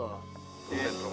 oke coba masuk